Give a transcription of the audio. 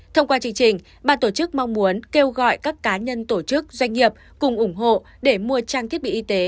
thông qua chương trình bà tổ chức mong muốn kêu gọi các cá nhân tổ chức doanh nghiệp cùng ủng hộ để mua trang thiết bị y tế